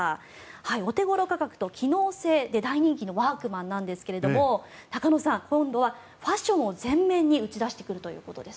お手頃価格と機能性で大人気のワークマンですが中野さん、今度はファッションを前面に打ち出してくるということです。